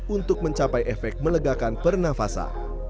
untuk mencapai efek melegakan pernafasan